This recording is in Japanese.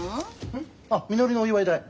ん？あっみのりのお祝い代。